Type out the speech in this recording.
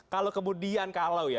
kalau kemudian kalau ya